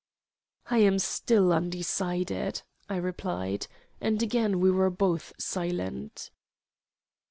"I am still undecided," I replied; and again we were both silent.